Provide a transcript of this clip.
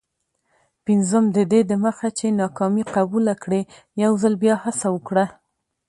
پنځم: ددې دمخه چي ناکامي قبوله کړې، یوځل بیا هڅه وکړه.